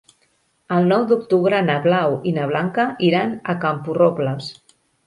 El nou d'octubre na Blau i na Blanca iran a Camporrobles.